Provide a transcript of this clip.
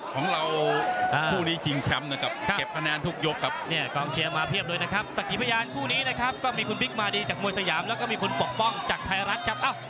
ของเราคู่นี้กินแคมป์เก็บคะแนนทุกยกครับ